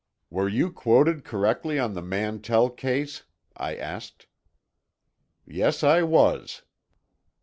"Were you quoted correctly on the Mantell case?" I asked. "Yes, I was."